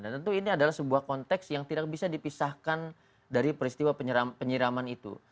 dan tentu ini adalah sebuah konteks yang tidak bisa dipisahkan dari peristiwa penyiraman itu